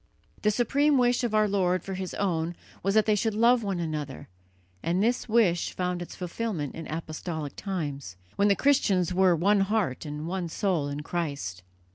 The supreme wish of our Lord for His own was that they should love one another, and this wish found its fulfilment in apostolic times, when the Christians were one heart and one soul in Christ.